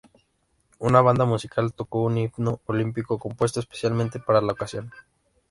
Una banda musical tocó un Himno Olímpico, compuesto especialmente para la ocasión.